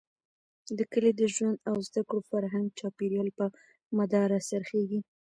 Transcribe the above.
د کلي د ژوند او زده کړو، فرهنګ ،چاپېريال، په مدار را څرخېږي.